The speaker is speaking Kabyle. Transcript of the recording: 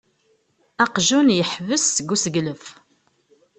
Aqjun yeḥbes seg useglef.